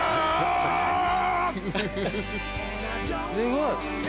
・すごい！